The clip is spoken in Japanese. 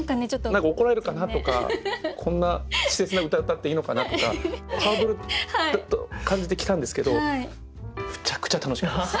何か「怒られるかな？」とか「こんな稚拙な歌詠っていいのかな？」とかハードル感じて来たんですけどむちゃくちゃ楽しかったです。